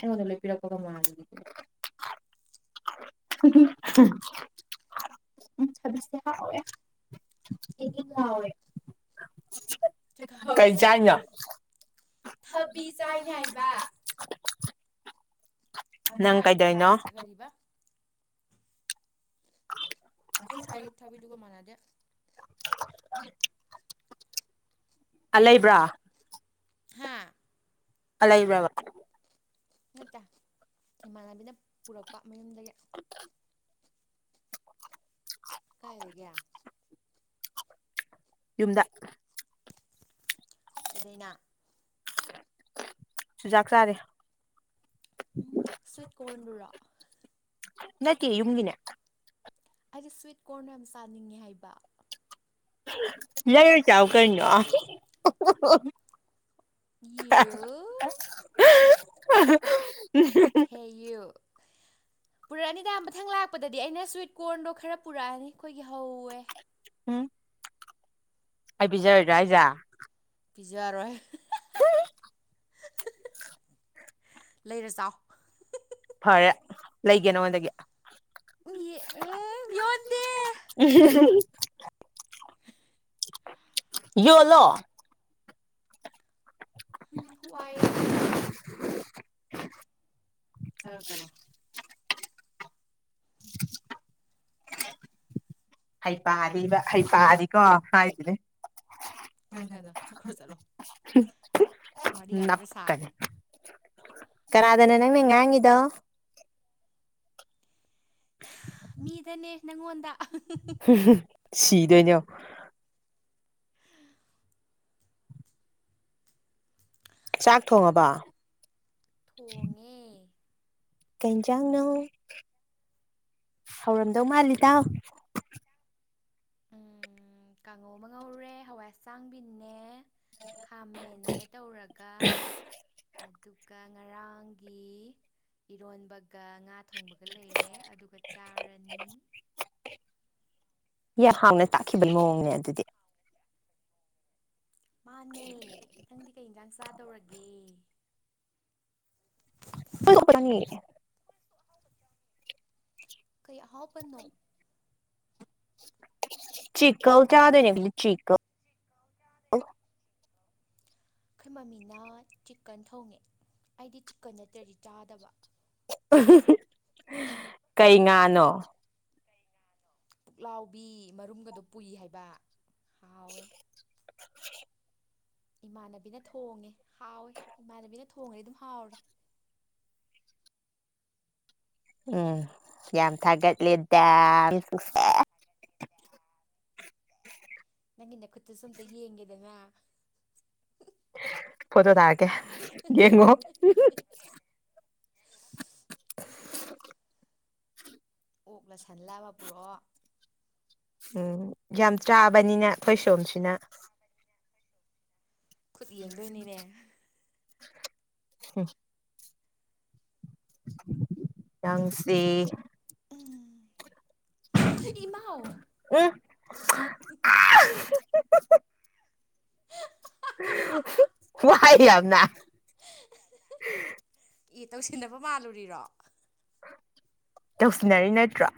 ꯍꯉꯣ ꯑꯩꯉꯣꯟꯗ ꯄꯤꯔꯄ ꯂꯣꯏꯄꯤꯔꯛꯄꯒ ꯃ ꯃꯥꯟꯕꯗꯨꯒ ꯎꯝ ꯊꯕꯤꯁꯦ ꯍꯥꯎꯋꯦ ꯏꯪ ꯏꯪ ꯂꯥꯎꯋꯦ [inaudible] ꯀꯩ ꯆꯈꯥꯎꯒꯁꯦ ꯆꯅ ꯑꯕꯤ ꯊꯕꯤ ꯇꯏ ꯆꯥꯏꯅꯦ ꯍꯥꯏꯕ ꯑꯃ ꯅꯪ ꯀꯩꯗꯧꯅꯣ ꯌꯥꯔꯤꯕ ꯑꯩꯈꯣꯏ ꯁ꯭ꯋꯥꯏꯒꯤ ꯊꯕꯤꯗꯨꯒ ꯃꯥꯟꯅꯗꯦ ꯑ ꯂꯩꯕ꯭ꯔꯥ ꯍꯥꯥ ꯑꯂ ꯏꯕꯕ ꯅꯠꯇ ꯏꯃꯥꯟꯅꯕꯤꯅ ꯄꯨꯔꯛꯄ ꯃꯌꯨꯝꯗꯒꯤ [inaudible] ꯀꯥꯏꯔꯒ ꯌꯨꯝꯗ ꯀꯗꯅꯥ ꯆꯨꯖꯥꯛ ꯆꯥꯔꯦ ꯎꯝ ꯁꯤꯠ ꯀꯣꯔꯟꯗꯨꯨꯔꯥ ꯅꯀꯤꯦ ꯌꯃꯗꯅꯦꯦ ꯑꯩꯗꯤ ꯁ꯭ꯋꯤꯠ ꯀꯣꯔꯅ ꯌꯥꯝ ꯆꯥꯅꯤꯡꯉꯤ ꯍꯥꯏꯕ ꯂꯌ ꯆꯥꯎ ꯀꯅꯣ [inaudible] ꯌꯨ ꯍꯦ ꯌꯌꯨ [inaudible] ꯄꯨꯔꯛꯑꯅꯤꯗ ꯃꯊꯪ ꯂꯥꯛꯄꯗꯗꯤ ꯑꯩꯅ ꯁ꯭ꯋꯤꯠ ꯀꯣꯔꯟꯗꯣ ꯈꯔ ꯄꯨꯔꯛꯑꯅꯤ ꯑꯩꯈꯣꯏꯒꯤ ꯍꯧꯋꯦ ꯎꯝ ꯑꯩ ꯄꯤꯖꯔꯣꯏꯗꯥ ꯑꯩꯖꯥ ꯄꯕꯤꯖꯨꯥꯔꯣꯏ ꯍꯣꯏ ꯂꯩꯔꯖꯥꯎ ꯐꯔꯦ ꯂꯩꯒꯦ ꯅꯉꯣꯟꯗꯒꯤ ꯎꯝ ꯌꯣꯂꯣ ꯎ ꯋꯥ ꯋꯥꯏꯑꯦ ꯍ [unintelligible] [inaudible] ꯍꯩ ꯄꯗꯤꯕ ꯍꯩ ꯄꯗꯤꯀꯣ ꯍꯥꯏꯁꯤꯅꯦ ꯇ ꯀꯩꯅꯣ ꯆꯈ꯭ꯔ ꯆꯠꯂꯣ ꯋꯥꯔꯤ ꯉꯥꯛꯁꯦ ꯁꯥꯒꯦ ꯈꯔꯗꯅ ꯅꯪ ꯍ ꯍꯉꯗꯣ ꯃꯤꯗꯅꯦ ꯅꯪꯉꯣꯟꯗ ꯗꯩꯅꯣ ꯆꯥꯛ ꯊꯣꯡꯉꯕꯣ ꯊꯣꯡꯉꯦ ꯀꯩꯖꯥꯡꯅ ꯍꯧꯔꯝꯗꯧ ꯃꯥꯜꯂꯤꯗ ꯎꯝ ꯀꯥꯡꯉꯧ ꯑꯃ ꯉꯧꯔꯦ ꯍꯋꯥꯏ ꯍꯆꯥꯡꯕꯤꯅꯦ ꯈꯥꯃꯟꯅꯦ ꯇꯧꯔꯒ ꯑꯗꯨꯒ [inaudible] ꯏꯔꯣꯟꯕꯒ ꯉꯥ ꯊꯣꯡꯕꯒ ꯂꯩꯔꯦ ꯑꯗꯨꯒ ꯆꯥꯔꯅꯤ ꯌꯥꯝ ꯍꯥꯡꯅ ꯇꯥꯛꯈꯤꯕꯅ ꯃꯑꯣꯡꯅꯦ ꯑꯗꯨꯗꯤ ꯃꯥꯅꯦ ꯅꯊꯪꯗꯤ ꯀꯩ ꯏꯟꯁꯥꯡ ꯆꯥꯗꯧꯔꯒꯦ ꯀꯔꯉꯦ ꯀꯩ ꯑꯍꯥꯎꯄꯟꯅꯣ ꯆꯤꯀ ꯀꯌꯥꯗꯅꯤ ꯆꯤꯀ ꯑꯩꯈꯣꯏ ꯃꯃꯤꯅ ꯆꯤꯀꯟ ꯊꯣꯡꯉꯦ ꯑꯩꯗꯤ ꯆꯤꯛꯀꯟ ꯅꯠꯇ꯭ꯔꯗꯤ ꯆꯥꯗꯕ ꯀꯩ ꯉꯥꯅꯣ ꯄꯨꯛꯂꯥꯎꯕꯤ ꯃꯔꯨꯝꯒꯗꯣ ꯄꯨꯏ ꯍꯥꯏꯕ ꯍꯥꯎꯋꯦ [inaudible] ꯏꯃꯥꯟꯅꯕꯤꯅ ꯊꯣꯡꯉꯦ ꯍꯥꯎꯋꯦ ꯏꯃꯥꯟꯅꯕꯤꯅ ꯊꯣꯡꯉꯗꯤ ꯑꯗꯨꯝ ꯍꯥꯎꯔꯦ ꯎꯝ ꯌꯥꯝ ꯊꯥꯒꯠꯂꯦ ꯅꯪꯒꯤꯟꯅ ꯈꯨꯠꯇ ꯁꯣꯝꯇ ꯌꯦꯡꯒꯦꯗꯅ ꯄꯣꯠꯇꯣ ꯊꯥ ꯀꯦ ꯌꯦꯉꯣ ꯑꯣꯛ ꯂꯁꯜꯂꯕ ꯄꯨꯔꯛꯑꯣ ꯎꯝ ꯌꯥꯝ ꯆꯥꯕꯅꯤꯅ ꯑꯩꯈꯣꯏ ꯁꯣꯝꯁꯤꯅ ꯈꯨꯠ ꯌꯦꯡꯗꯣꯏꯅꯤꯅꯦ ꯍꯝ ꯌꯥꯪꯁ ꯎ ꯏꯃ [inaudible] ꯈꯨꯨꯃꯥꯏ ꯌꯥꯝ ꯌꯥꯝꯅ ꯏ ꯇꯧꯁꯤꯟꯅꯕ ꯃꯥꯜꯂꯨꯔꯤꯔꯣ ꯇꯧꯁꯤꯟꯅꯔꯤ ꯅꯠꯇ꯭ꯔꯥ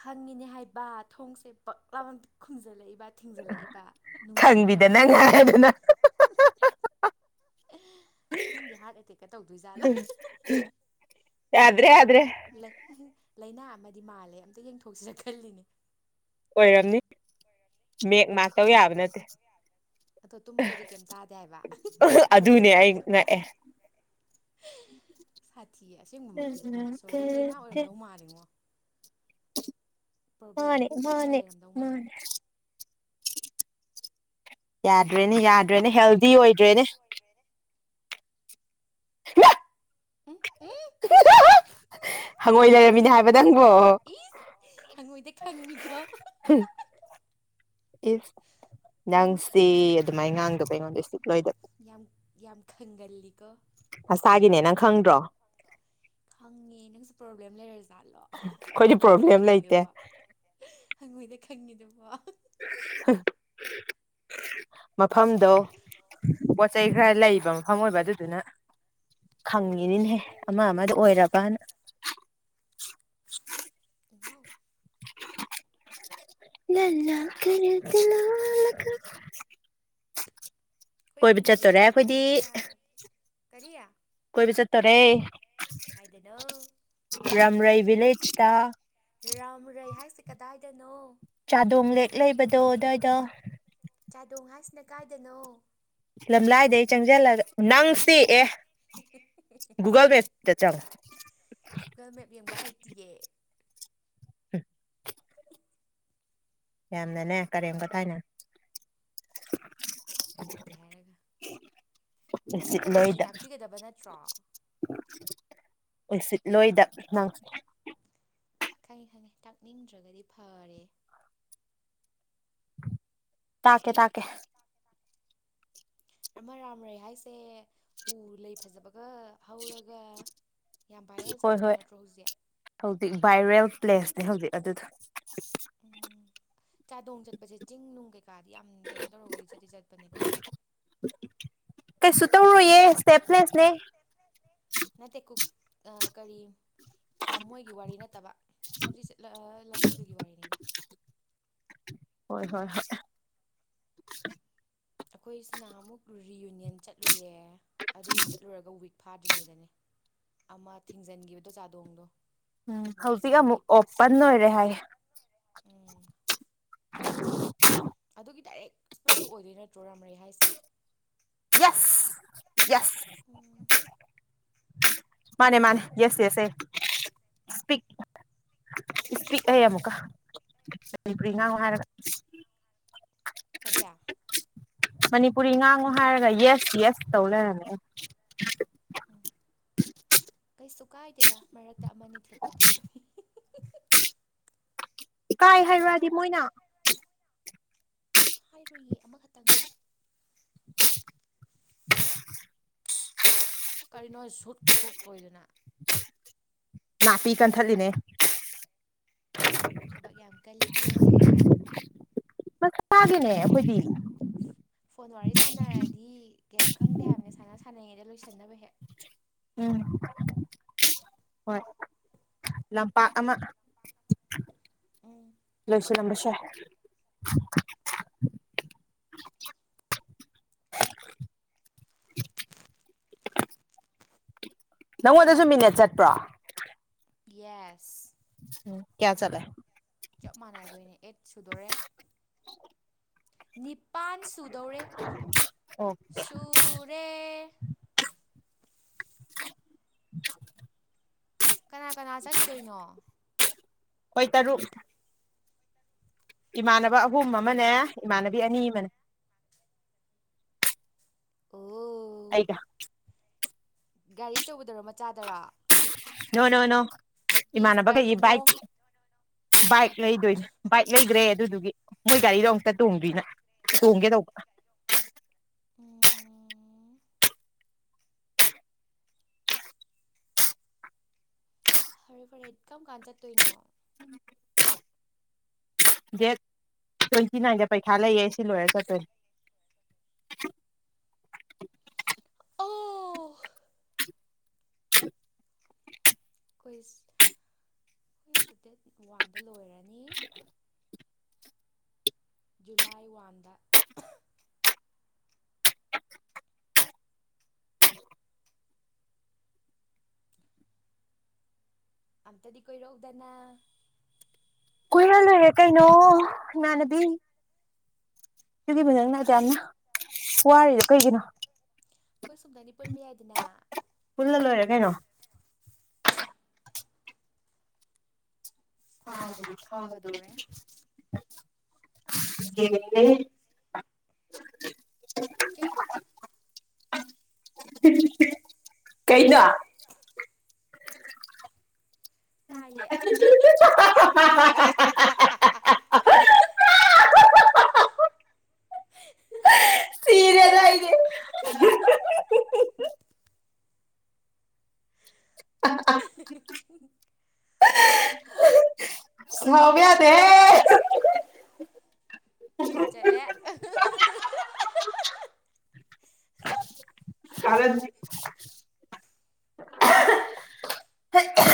ꯈꯪꯉꯤꯅꯦ ꯍꯥꯏꯕ ꯊꯣꯡꯁꯦ ꯄꯛꯂꯥꯎ ꯈꯨꯝꯖꯤꯜꯂꯛꯏꯕ ꯊꯤꯡꯖꯤꯜꯂꯛꯏꯕ ꯅꯨꯡꯁꯤꯠꯅ ꯈꯪꯕꯤꯗꯅ ꯉꯥꯏꯗꯅ ꯈꯪꯗꯦ ꯍꯥꯔꯠ ꯑꯦꯇꯦꯛꯀ ꯇꯧꯗꯣꯏꯖꯥꯠꯂ ꯌꯥꯗ꯭ꯔꯦ ꯂꯩ ꯌꯥꯗ꯭ꯔꯦ ꯂꯩ ꯂꯥꯏꯅꯥ ꯑꯃꯗꯤ ꯃꯥꯜꯂꯦ ꯑꯝꯇ ꯌꯦꯡꯊꯣꯛꯁꯤꯔ ꯈꯜꯂꯤꯅꯦ ꯑꯣꯏꯔꯝꯅꯤ ꯃꯦꯛ ꯉꯥꯛꯇꯧ ꯌꯥꯕ ꯅꯠꯇꯦ ꯑꯗꯣ ꯇꯨꯝꯕꯗꯗꯤ ꯀꯩꯝ ꯇꯥꯗꯦ ꯍꯥꯏꯕ ꯑꯗꯨꯅꯦ ꯑꯩ ꯉꯑ ꯊꯤꯌꯦ ꯑꯁꯦꯡꯕꯃꯛꯀꯤ ꯁꯣꯔꯤ ꯂꯥꯏꯅꯥ ꯑꯣꯏꯔꯝꯗꯧ ꯃꯥꯜꯂꯤꯉꯣ ꯃꯥꯅꯦ ꯃꯥꯅꯦ ꯂꯩꯔꯝꯗꯧ ꯃꯥꯜꯂꯦ ꯃꯥꯅꯦ ꯌꯥꯗ꯭ꯔꯦꯅꯦ ꯌꯥꯗ꯭ꯔꯦꯅꯦ ꯍꯦꯜꯗꯤ ꯑꯣꯏꯗ꯭ꯔꯦꯅꯦ ꯎꯝ ꯎꯝ ꯍꯪꯉꯣꯏ ꯂꯩꯔꯝꯃꯤꯅꯦ ꯍꯥꯏꯕ ꯅꯪꯕꯣ ꯍꯪ ꯃꯣꯏꯗꯤ ꯈꯪꯉꯤꯈ꯭ꯔꯣ ꯏꯁ ꯅꯪꯁꯤ ꯑꯗꯨꯃꯥꯏꯅ ꯉꯥꯡꯗꯕꯩꯉꯣꯟꯗꯣꯏꯁꯤ ꯌꯥꯝ ꯌꯥꯝ ꯈꯪꯒꯜꯂꯤꯀꯣ ꯃꯁꯥꯒꯤꯅꯦ ꯅꯪ ꯈꯪꯗ꯭ꯔꯣ ꯈꯪꯉꯦ ꯅꯪꯁꯨ ꯄ꯭ꯔꯣꯕ꯭ꯂꯦꯝ ꯂꯩꯔꯖꯥꯠꯂꯣ ꯑꯩꯈꯣꯏꯗꯤ ꯈꯪꯉꯣꯏꯗꯤ ꯄ꯭ꯔꯣꯕ꯭ꯂꯦꯝ ꯂꯩꯇꯦ ꯈꯪꯉꯦꯗꯨꯕ ꯍꯪꯉꯣꯏꯗ ꯈꯪꯉꯤꯗꯕꯣ ꯍ ꯃꯐꯝꯗꯣ ꯄꯣꯠ ꯆꯩꯩ ꯈꯔ ꯂꯩꯕ ꯃꯐꯝ ꯑꯣꯏꯕ ꯑꯗꯨꯗꯨꯅ ꯈꯪꯉꯤꯅꯤꯅꯦꯍꯦ ꯑꯃ ꯑꯃꯗ ꯑꯣꯏꯔꯕꯅ ꯏꯃꯥꯎ ꯂ ꯀꯔ ꯂꯂ ꯑꯩꯈꯣꯏ ꯀꯣꯏꯕ ꯑꯍꯨꯝ ꯆꯠꯇꯣꯔꯦ ꯆꯥꯛ ꯑꯩꯈꯣꯏꯗꯤ ꯑꯃꯗꯤ ꯆꯥ ꯌꯥꯕ ꯀꯔꯤ ꯀꯣꯏ ꯄ ꯆꯠ ꯇꯔꯦ ꯀꯥꯏꯗꯅꯣ ꯔꯝ ꯔꯥꯏꯚ ꯂꯩ ꯏ ꯔꯥꯝ ꯔꯩ ꯍꯥꯏꯁꯤ ꯀꯗꯥꯏꯗꯅꯣ ꯇꯣꯗꯗ ꯆꯥꯗꯣꯡ ꯍꯥꯏꯁꯤꯅ ꯀꯥꯏꯗꯅꯣ ꯂꯝꯂꯥꯏꯗꯩ ꯆꯪꯁꯤꯜꯂꯒ ꯅꯪꯁꯤ ꯑꯦ ꯨꯒꯜꯒꯁ ꯆ ꯒꯨꯒꯜ ꯃꯦꯞ ꯌꯦꯡꯕ ꯍꯩꯇꯤꯌꯦ ꯌꯥꯝꯅꯅꯦ ꯀꯔꯦꯝ ꯀ ꯊꯥꯏꯅ ꯍꯩꯇꯦ ꯍꯥꯏꯔꯒ ꯃꯤꯅ ꯍꯩꯇꯕꯁꯤꯗꯤ ꯎꯁꯤꯠꯂꯣꯏꯗ ꯇꯥꯛꯄꯤꯒꯗꯕ ꯅꯠꯇ꯭ꯔꯣ ꯎꯁꯤꯠꯂꯣꯏꯗ ꯅꯪ ꯈꯅꯤ ꯈꯅꯤ ꯇꯥꯛꯅꯤꯡꯗ꯭ꯔꯒꯗꯤ ꯐꯔꯦ ꯇꯥꯀꯦ ꯇꯥꯀꯦ ꯔꯃꯥ ꯔꯥꯝ ꯔꯩ ꯍꯥꯏꯁꯦ ꯎ ꯂꯩ ꯐꯖꯕ ꯌꯥꯝ ꯚꯥꯏꯔꯦꯜ ꯍꯣꯏ ꯆꯠꯄꯗꯣ ꯍꯣꯏ ꯅꯠꯇ꯭ꯔꯣ ꯍꯧꯖꯤꯛ ꯍꯧꯖꯤꯛ ꯚꯥꯏꯔꯦꯜ ꯄ꯭ꯂꯦꯁꯅꯦ ꯍꯧꯖꯤꯛ ꯑꯗꯨꯗ ꯎꯝ ꯆꯥꯗꯣꯡ ꯆꯠꯄꯁꯦ ꯆꯤꯡ ꯅꯨꯡ ꯀꯩꯀꯥꯗꯤ ꯌꯥꯝ ꯀꯩꯅꯣ ꯇꯧꯔ ꯋꯥꯔꯤꯒꯥ ꯆꯠꯁꯦ ꯆꯠꯄꯅꯦꯀꯣ ꯀꯩ ꯁꯇ ꯌꯦ ꯁꯦꯄꯅꯦꯁꯅꯦ ꯑ ꯀꯔꯤ ꯃꯣꯏꯒꯤ ꯋꯥꯔꯤ ꯅꯠꯇꯕ ꯍꯧꯟꯖꯤꯛ ꯂꯝꯕꯤꯗꯨꯒꯤ ꯋꯥꯔꯤꯅꯤꯅ ꯍꯣꯏ ꯍꯣꯏ ꯍꯣꯏ ꯑꯩꯈꯣꯏꯁꯤꯅ ꯑꯃꯨꯛ ꯔꯤꯌꯨꯅꯤꯌꯟ ꯆꯠꯂꯨꯌꯦ ꯑꯗꯨꯒꯤ ꯆꯠꯂꯨꯔꯒ ꯋꯤꯛ ꯐꯥꯗ꯭ꯔꯤꯉꯩꯗꯅꯦ ꯑꯃ ꯊꯤꯡꯖꯤꯟꯈꯤꯕꯗꯣ ꯆꯥꯗꯣꯡꯗꯣ ꯎꯝ ꯃꯣꯏ ꯍꯧꯖꯤꯛ ꯑꯃꯨꯛ ꯐꯦꯃꯤꯂꯤ ꯄꯨꯂꯞ ꯑꯣꯄꯟ ꯁꯤꯕꯒꯤ ꯑꯣꯏꯔꯦ ꯍꯥꯏ ꯎꯝ ꯒꯤ ꯗꯥꯏꯔꯦꯛ ꯏꯁꯄꯣꯠꯇꯨ ꯑꯣꯏꯗꯣꯏ ꯅꯠꯇ꯭ꯔꯣ ꯔꯥꯝꯔꯩ ꯍꯥꯏꯁꯦ ꯌꯦꯁ ꯌꯦꯁ ꯎꯝ ꯃꯥꯅꯦ ꯃꯥꯅꯦ ꯌꯦꯁ ꯌꯦꯁ ꯐꯖꯔꯦ ꯑꯦꯄꯤ ꯏꯁꯄꯤꯤꯛꯑ ꯑꯃꯨꯛꯀ ꯃꯅꯤꯄꯨꯔꯤ ꯉꯥꯡ ꯍꯥꯏꯔꯒ ꯀꯔꯤꯌꯥ ꯃꯅꯤꯄꯨꯔꯤ ꯉꯥꯡꯉꯨ ꯍꯥꯏꯔꯒ ꯌꯦꯁ ꯌꯦꯁ ꯇꯧ ꯂꯩꯔꯝꯃꯦ ꯎꯝ ꯀꯩꯁꯨ ꯀꯥꯏꯗꯦꯗ ꯃꯔꯛꯇ ꯑꯃꯅꯤ ꯊꯦꯠꯄꯗꯤ ꯀꯥꯏ ꯍꯥꯏꯔꯗꯤ ꯃꯣꯏꯅ ꯍꯥꯏꯔꯨꯏꯌꯦ ꯑꯃꯈꯛꯇꯪꯅꯦ [unintelligible] ꯀꯔꯤꯅꯣ ꯁꯨꯠ ꯁꯣꯛꯇꯣꯏꯗꯅ ꯅꯥꯄꯤ ꯀꯟꯊꯠꯂꯤꯅꯦ ꯊꯕꯛ ꯌꯥꯝ ꯀꯜꯂꯤꯀ ꯃꯁ ꯐꯗꯅꯦ ꯈꯨꯗꯤꯅ ꯐꯣꯟ ꯋꯥꯔꯤ ꯁꯥꯟꯅꯔꯗꯤ ꯀꯦꯝ ꯈꯪꯗꯦ ꯍꯥꯏꯕꯅꯦ ꯁꯥꯟꯅ ꯁꯥꯟꯅꯉꯩꯗ ꯂꯣꯏꯁꯟꯅꯕ ꯍꯦꯛ ꯎꯝ ꯍꯣꯏ ꯂꯝꯄꯥꯛꯄꯥꯛ ꯑꯃ ꯎꯝ ꯂꯣꯏꯁꯤꯜꯂꯝꯝꯕꯁꯦ [unintelligible] [unintelligible] ꯀꯅꯥ ꯅꯪꯉꯣꯟꯗꯁꯨ ꯃꯤꯅꯠ ꯆꯠꯄ꯭ꯔꯣ ꯌꯦꯁ ꯎꯝ ꯀꯌꯥ ꯆꯂ ꯆꯞ ꯃꯥꯟꯅꯗꯣꯏꯅꯦ ꯑꯦꯠ ꯁꯨꯗꯣꯔꯦ ꯅ ꯄꯥꯟ ꯁꯨꯗꯧꯔꯦ ꯑꯣ ꯁꯨꯔꯦ [unintelligible] ꯀꯅꯥ ꯀꯅꯥ ꯆꯠꯇꯣꯏꯅꯣ ꯍꯈꯣꯏ ꯇꯔꯨꯛ ꯏꯃꯥꯟꯅꯕ ꯑꯍꯨꯝ ꯑꯃꯅꯦ ꯏꯃꯥꯟꯅꯕꯤ ꯑꯅꯤ ꯑꯃꯅꯦ ꯑꯣ ꯑꯩꯒ ꯒꯥꯔꯤ ꯑꯆꯧꯕꯗꯔ ꯃꯆꯥꯗꯔꯥ ꯅꯣ ꯅꯣ ꯅꯣ ꯏꯃꯥꯟꯅꯕ ꯀꯩꯒꯤ ꯀꯔꯤꯅꯣ ꯕꯥꯏꯛ ꯕꯥꯏꯛ ꯂꯩꯗꯣꯏꯅꯦ ꯕꯥꯏꯛ ꯂꯩꯗ꯭ꯔꯦ ꯑꯗꯨꯗꯨꯒꯤ ꯃꯣꯏ ꯒꯥꯔꯤꯗꯣ ꯑꯃꯨꯛꯇ ꯇꯣꯡꯗꯣꯏꯅ ꯇꯣꯡꯒꯦ ꯇꯧꯕꯧꯕ ꯎꯝ ꯐꯔꯦ ꯐꯔꯦ ꯑꯦꯀꯝ ꯀꯥꯟ ꯆꯠꯇꯣꯏꯅꯣ ꯎꯝ ꯗꯦꯠ ꯇ꯭ꯋꯦꯟꯇꯤ ꯅꯥꯏꯟꯗ ꯄꯩꯈꯥ ꯂꯩꯌꯦ ꯁꯤ ꯂꯣꯏꯔ ꯆꯠꯇꯣꯏꯅꯦ [unintelligible] ꯍꯈ ꯍꯈꯁꯨ ꯗꯦꯠ ꯋꯥꯟꯗ ꯂꯣꯏꯔꯅꯤ ꯖꯨꯂꯥꯏ ꯋꯥꯗ ꯑ ꯇꯗꯤ ꯀꯣꯏ ꯔꯣꯒꯗꯅ ꯀꯨꯏꯜꯂꯨ ꯍ ꯀꯥꯏꯩꯅꯣ ꯅꯅꯕꯤ ꯑꯗꯨꯒꯤꯕꯨ ꯅꯪꯅꯗ ꯌꯥꯝꯅ ꯋꯥꯔꯤꯔꯤꯗꯣ ꯀꯩꯒꯤꯅꯣ ꯑꯩꯈꯣꯏ ꯁꯨꯝꯗꯅꯤ ꯄꯨꯟꯕ ꯌꯥꯏꯗꯅ ꯄꯨꯜꯂ ꯂꯣꯏꯔꯦ ꯀꯩꯅꯣ [unintelligible] ꯍ ꯐꯥꯕꯨꯗꯤ ꯍ ꯐꯥꯒꯗꯧꯔꯦ ꯑꯦ ꯀꯩꯗ ꯇꯥꯏꯌꯦ [unintelligible] ꯑ ꯁꯤꯔ ꯂꯏꯅꯦꯦ [unintelligible] ꯁꯃ ꯌꯥꯗꯦ ꯇꯣ ꯆꯂꯦ ꯀ ꯍ